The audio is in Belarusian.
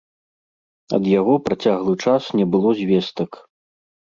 Ад яго працяглы час не было звестак.